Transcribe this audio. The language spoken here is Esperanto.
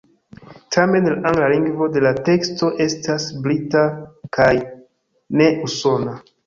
Tamen la angla lingvo de la teksto estas brita kaj ne usona.